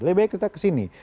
lebih baik kita kesini